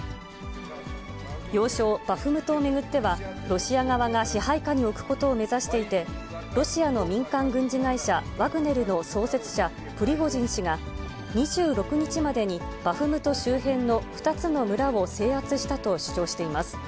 要衝バフムトを巡っては、ロシア側が支配下に置くことを目指していて、ロシアの民間軍事会社、ワグネルの創設者、プリゴジン氏が、２６日までにバフムト周辺の２つの村を制圧したと主張しています。